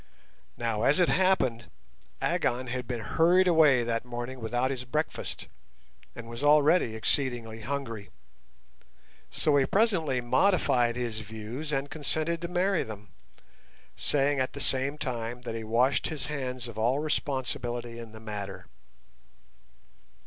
Now, as it happened, Agon had been hurried away that morning without his breakfast, and was already exceedingly hungry, so he presently modified his views and consented to marry them, saying at the same time that he washed his hands of all responsibility in the matter.